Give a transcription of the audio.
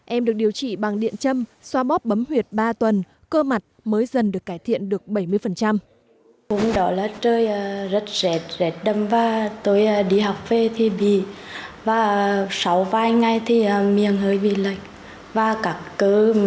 em được điều trị bằng điện châm xoa bóp bấm huyệt ba tuần cơ mặt mới dần được cải thiện được bảy mươi